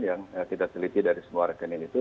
yang kita teliti dari semua rekening itu